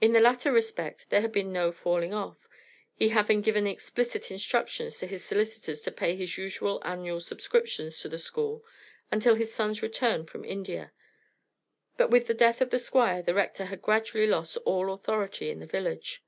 In the latter respect there had been no falling off, he having given explicit instructions to his solicitors to pay his usual annual subscriptions to the school until his son's return from India. But with the death of the Squire the Rector had gradually lost all authority in the village.